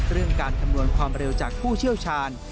เรื่องการคำนวณความเร็วจากผู้เชี่ยวชาญ